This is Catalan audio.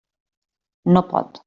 No pot.